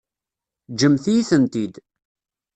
Ǧǧemt-iyi-tent-id.